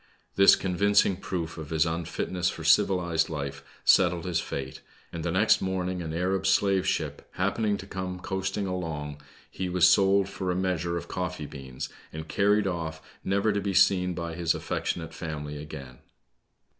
This con vincing proof of his unfitness for civilized life settled his fate, and the next morning an Arab slave ship happening to come coasting along, he was sold for a measure of coffee beans, and carried off, never to be seen by his affectionate family again.